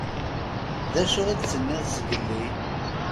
Dacu i d-tenniḍ zgelli?